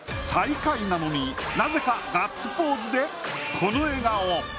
最下位なのに、なぜかガッツポーズでこの笑顔。